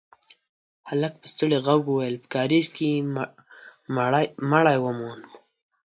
هلک په ستړي غږ وويل: په کارېز کې يې مړی وموند.